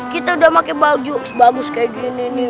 kita udah pakai baju bagus kayak gini nih